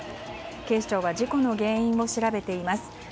警視庁は事故の原因を調べています。